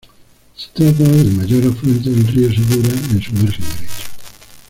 Se trata del mayor afluente del río Segura en su margen derecho.